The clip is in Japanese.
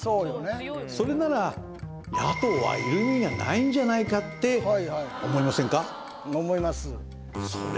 それなら野党はいる意味がないんじゃないかって思いませんか？